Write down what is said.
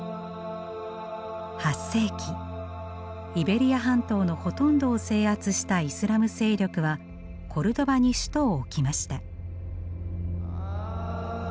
８世紀イベリア半島のほとんどを制圧したイスラム勢力はコルドバに首都を置きました。